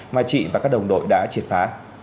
mà chị và các đồng đội đã triệt phá